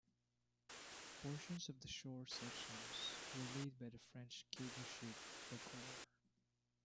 Portions of the shore sections were laid by the French Cable Ship 'Vercors'.